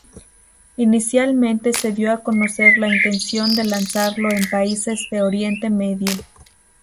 Inicialmente se dio a conocer la intención de lanzarlo en países de Oriente Medio.